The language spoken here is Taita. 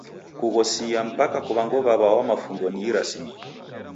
Kughosia mpaka kuw'ango w'aw'a wa mafundo ni irasimio.